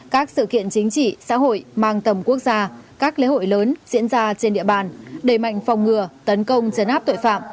các sự kiện chính trị xã hội mang tầm quốc gia các lễ hội lớn diễn ra trên địa bàn đẩy mạnh phòng ngừa tấn công chấn áp tội phạm